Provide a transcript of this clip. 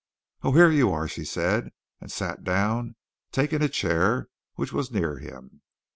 "Oh, here you are!" she said, and sat down, taking a chair which was near him.